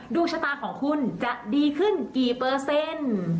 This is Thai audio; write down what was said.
ดวงชะตาของคุณจะดีขึ้นกี่เปอร์เซ็นต์